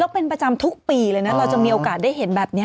เป็นประจำทุกปีเลยนะเราจะมีโอกาสได้เห็นแบบนี้